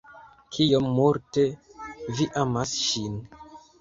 Kiom multe vi amas ŝin.